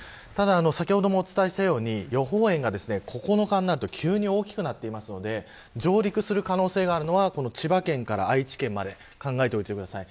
先ほどもお伝えしたように予報円が９日になると急に大きくなっているので上陸する可能性があるのは千葉県から愛知県なので考えておいてください。